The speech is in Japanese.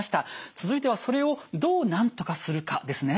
続いてはそれをどうなんとかするかですね。